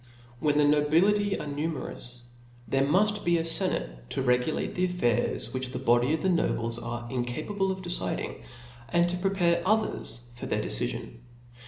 When the nobility are numerous, there muft be a fenate to regulate the affairs which the body of nobles are incapable of deciding, and to prepare tjthers for their decifion.